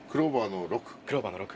クローバーの６。